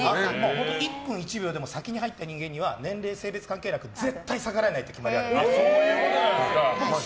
本当に１分１秒でも先に入った人間には年齢、性別関係なく絶対に逆らえないという決まりがあるんです。